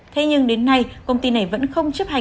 thế nhưng đến nay công ty này vẫn không chấp hành